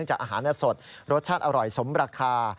จากอาหารสดรสชาติอร่อยสมราคา